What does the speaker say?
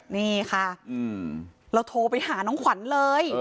นี่ค่ะเราโทรไปหาน้องขวัญเลย